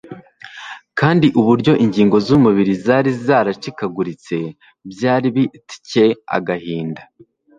kandi uburyo ingingo z'umubiri zari zaracikaguritse byari bitcye agahinda.